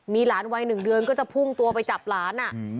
มีหลานวัย๑เดือนก็จะพุ่งตัวไปจับหลาน